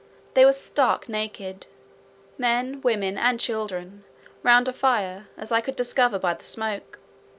They were stark naked, men, women, and children, round a fire, as I could discover by the smoke.